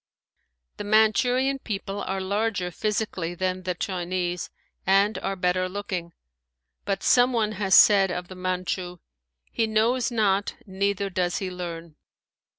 The Manchurian people are larger physically than the Chinese and are better looking. But some one has said of the Manchu, "he knows not, neither does he learn."